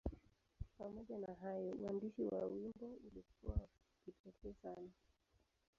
Pamoja na hayo, uandishi wa wimbo ulikuwa wa kipekee sana.